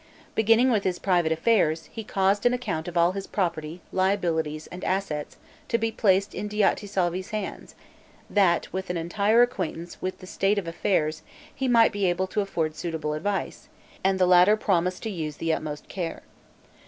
Beginning with his private affairs, he caused an account of all his property, liabilities, and assets, to be placed in Diotisalvi's hands, that, with an entire acquaintance with the state of his affairs, he might be able to afford suitable advice, and the latter promised to use the utmost care.